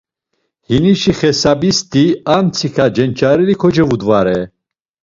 Hinişi xesabisti ar mtsika cenç̌areri kocevudvare.